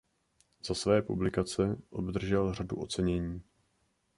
Za své publikace obdržel řadu ocenění.